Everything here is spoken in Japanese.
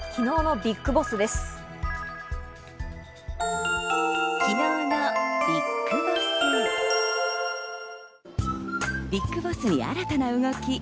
ＢＩＧＢＯＳＳに新たな動き。